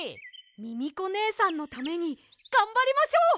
ミミコねえさんのためにがんばりましょう！